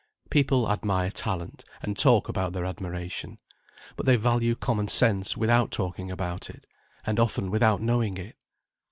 People admire talent, and talk about their admiration. But they value common sense without talking about it, and often without knowing it.